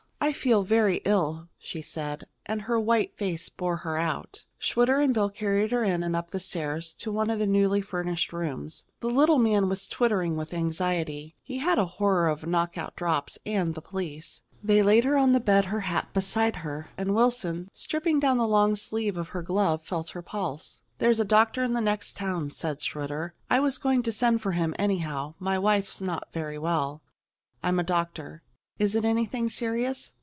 "I feel very ill," she said, and her white face bore her out. Schwitter and Bill carried her in and up the stairs to one of the newly furnished rooms. The little man was twittering with anxiety. He had a horror of knockout drops and the police. They laid her on the bed, her hat beside her; and Wilson, stripping down the long sleeve of her glove, felt her pulse. "There's a doctor in the next town," said Schwitter. "I was going to send for him, anyhow my wife's not very well." "I'm a doctor." "Is it anything serious?"